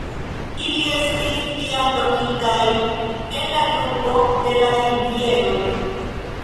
Ili estis iam lokitaj en la grupo de la Silviedoj.